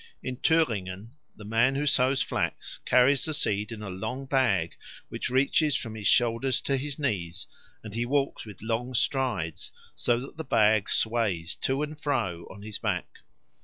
In Thüringen the man who sows flax carries the seed in a long bag which reaches from his shoulders to his knees, and he walks with long strides, so that the bag sways to and fro on his back.